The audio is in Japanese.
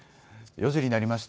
４時になりました。